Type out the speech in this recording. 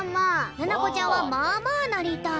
ななこちゃんはまあまあなりたい。